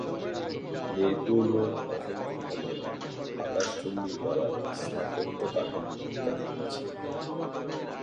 Mirpur road অসংখ্য ভবন, আকাশচুম্বী ইমারত, স্থাপত্য কাঠামো ইত্যাদি রয়েছে।